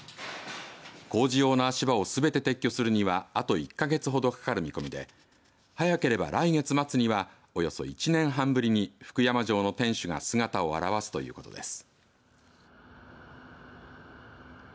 工事用の足場をすべて撤去するにはあと１か月ほどかかる見込みで早ければ、来月末にはおよそ１年半ぶりに福山城の天守が姿を現すということです。